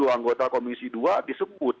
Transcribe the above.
lima puluh tujuh anggota komisi dua disebut